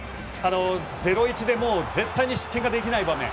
０対１で絶対に失点ができない場面。